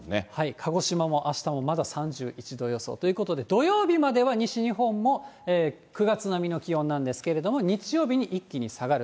鹿児島もまだあしたも３１度予想ということで、土曜日までは西日本も９月並みの気温なんですけれども、日曜日に一気に下がる。